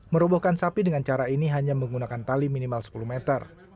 merobohkan sapi dengan cara ini hanya menggunakan tali minimal sepuluh meter